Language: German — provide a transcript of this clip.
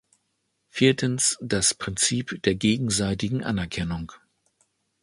Viertens das Prinzip der gegenseitigen Anerkennung.